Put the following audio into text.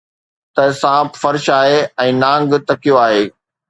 ته سانپ فرش آهي ۽ نانگ تکيو آهي